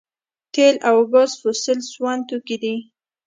تیل او ګاز فوسیل سون توکي دي